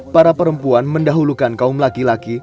para perempuan mendahulukan kaum laki laki